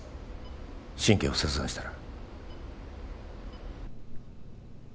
神経を切断したら。